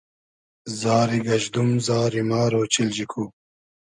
زاری گئژدوم ، زاری مار اۉچیلجی کو